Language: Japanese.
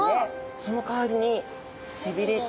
そのかわりに背びれと。